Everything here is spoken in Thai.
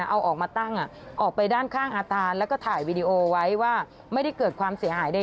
เอาออกมาตั้งออกไปด้านข้างอาคารแล้วก็ถ่ายวีดีโอไว้ว่าไม่ได้เกิดความเสียหายใด